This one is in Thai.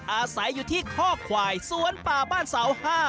อาศัยอยู่ที่ข้อควายสวนป่าบ้านเสา๕